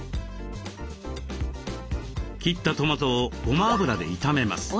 切ったトマトをごま油で炒めます。